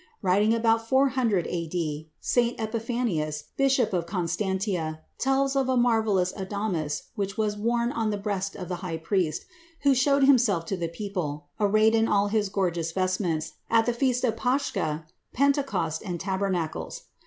Writing about 400 A.D., St. Epiphanius, Bishop of Constantia, tells of a marvellous adamas which was worn on the breast of the high priest, who showed himself to the people, arrayed in all his gorgeous vestments, at the feasts of Pascha, Pentecost, and Tabernacles.